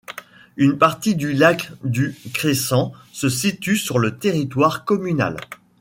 Une partie du lac du Crescent se situe sur le territoire communal.